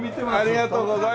ありがとうございます。